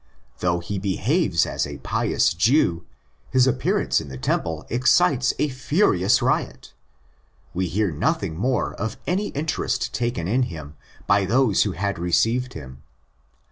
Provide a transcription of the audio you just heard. Though he 'behaves as & pious Jew, his appearance in the Temple excites 8 furious riot. We hear nothing more of any interest taken in him by those who had received him.